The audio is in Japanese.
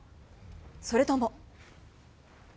それとも。